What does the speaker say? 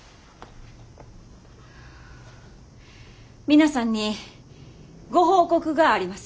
皆さんにご報告があります。